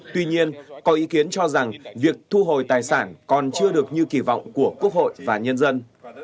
tuy nhiên có ý kiến cho rằng việc thu hồi tài sản còn chưa được như kỳ vọng của quốc hội và nhân dân